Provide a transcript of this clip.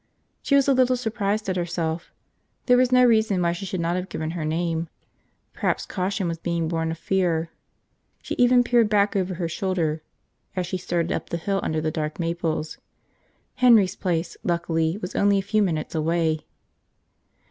She was a little surprised at herself. There was no reason why she should not have given her name. Perhaps caution was being born of fear. She even peered back over her shoulder as she started up the hill under the dark maples. Henry's place, luckily, was only a few minutes away.